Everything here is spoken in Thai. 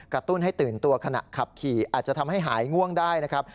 ตุ้นให้ตื่นตัวขณะขับขี่อาจจะทำให้หายง่วงได้นะครับ